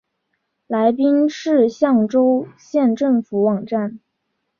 来宾市象州县政府网站